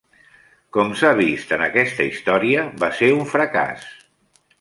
Com s'ha vist en aquesta història, va ser un fracàs.